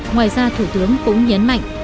ngoài ra thủ tướng cũng nhấn mạnh